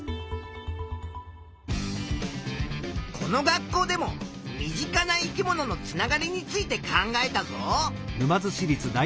この学校でも身近な生き物のつながりについて考えたぞ。